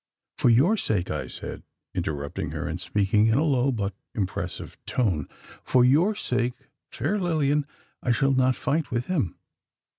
"For your sake," I said, interrupting her, and speaking in a low but impressive tone "for your sake, fair Lilian, I shall not fight with him.